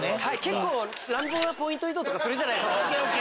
結構乱暴なポイント移動とかするじゃないですか？